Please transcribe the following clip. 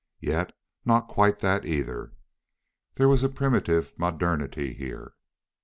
Yet not quite that either. There was a primitive modernity here.